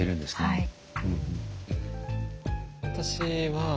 はい。